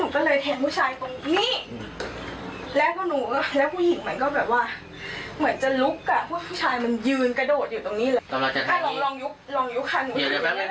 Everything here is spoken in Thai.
ผ่านหลังให้หนูมานอนอย่างเนี้ยหลุบอย่างเงี้ยอืมแล้วทีนี้มีด